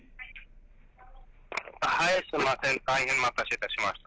はい、すみません、大変お待たせしました。